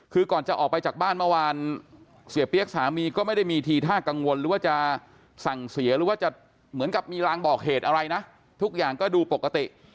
คือก่อนจะออกไปจากบ้านเมื่อวานเสียเปี๊ยกสามีก็ไม่ได้มีทีท่ากังวลหรือว่าจะสั่งเสียหรือว่าจะเหมือนกับมีรางบอกเหตุอะไรนะทุกอย่างก็ดูปกติ